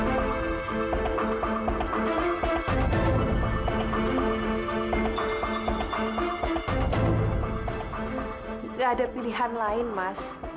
enggak ada pilihan lain mas